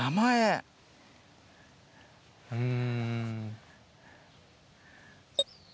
うん。